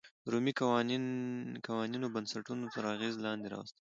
رومي قوانینو بنسټونه تر اغېز لاندې راوستل.